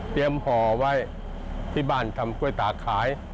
ห่อไว้ที่บ้านทำกล้วยตาขาย